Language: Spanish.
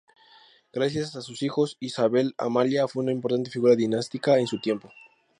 Gracias a sus hijos, Isabel Amalia fue una importante figura dinástica en su tiempo.